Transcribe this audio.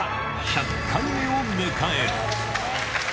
１００回目を迎える。